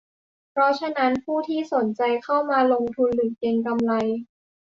เพราะฉะนั้นผู้ที่สนใจเข้ามาลงทุนหรือเก็งกำไร